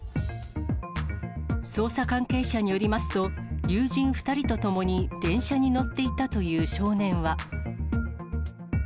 捜査関係者によりますと、友人２人と共に電車に乗っていたという少年は。